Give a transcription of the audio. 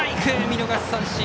見逃し三振！